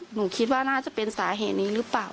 หนูคิดว่าน่าจะเป็นสาเหตุนี้หรือเปล่า